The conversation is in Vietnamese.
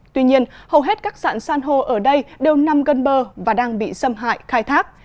tuy nhiên hầu hết các dạng san hô ở đây đều nằm gần bờ và đang bị xâm hại khai thác